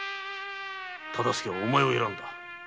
忠相はお前を選んだ。